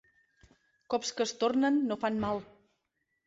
Cops que es tornen no fan mal.